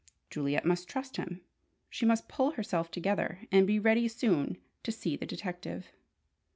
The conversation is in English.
Juliet must trust him. She must pull herself together, and be ready soon to see the detective.